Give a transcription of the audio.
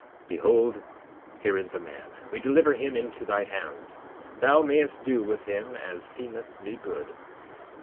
12:16 Behold, here is the man, we deliver him into thy hands; thou mayest do with him as seemeth thee good.